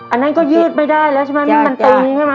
อันนั้นก็ยืดไม่ได้แล้วใช่ไหม